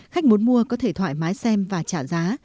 khách muốn mua có thể thoải mái xem và trả giá